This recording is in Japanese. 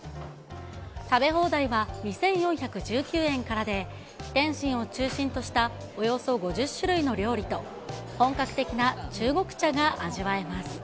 食べ放題は２４１９円からで、点心を中心としたおよそ５０種類の料理と、本格的な中国茶が味わえます。